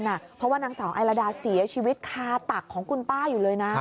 เพราะว่านางสาวไอลาดาเสียชีวิตคาตักของคุณป้าอยู่เลยนะ